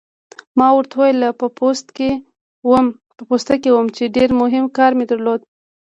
ما ورته وویل: په پوسته کې وم، چې ډېر مهم کار مې درلود.